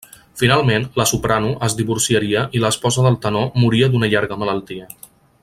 Finalment, la soprano es divorciaria i l'esposa del tenor moria d'una llarga malaltia.